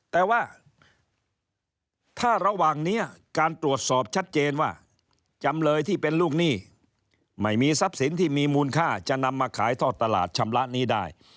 แต่ว่าถ้าระหว่างนี้การตรวจสอบชัดเจนว่าจำเลยที่เป็นลูกหนี้ไม่มีทรัพย์สินที่มีมูลค่าจะนำมาขายท่อตลาดชำระหนี้ได้